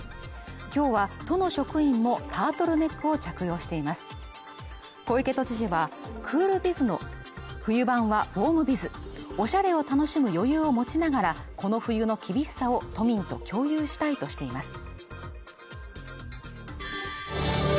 今日は都の職員もタートルネックを着用しています小池都知事はクールビズの冬版はウォームビズおしゃれを楽しむ余裕を持ちながらこの冬の厳しさを都民と共有したいとしています